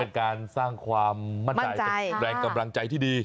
เป็นการสร้างความมั่นใจแรงกำลังใจที่ดี